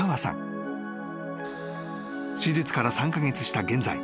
［手術から３カ月した現在］